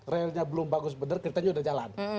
relnya belum bagus benar keretanya sudah jalan